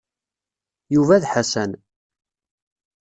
Yuba d Ḥasan.